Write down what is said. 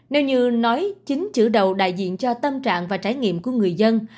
nếu như nói chính chữ đầu đại diện cho tâm trạng và trải nghiệm của người dân